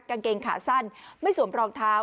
กางเกงขาสั้นไม่สวมรองเท้า